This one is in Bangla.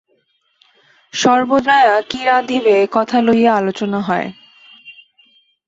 সর্বজয়া কি রাঁধিবে একথা লইয়া আলোচনা হয়।